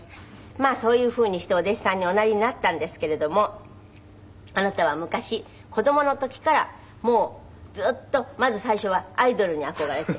まあそういう風にしてお弟子さんにおなりになったんですけれどもあなたは昔子どもの時からもうずっとまず最初はアイドルに憧れて。